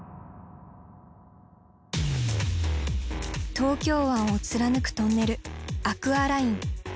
東京湾を貫くトンネルアクアライン。